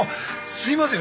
すいません。